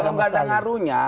kalau gak ada pengaruhnya